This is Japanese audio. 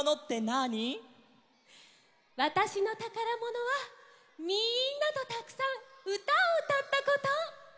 わたしのたからものはみんなとたくさんうたをうたったこと。